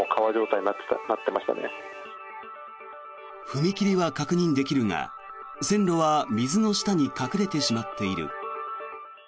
踏切は確認できるが線路は水の下に隠れてしまっている。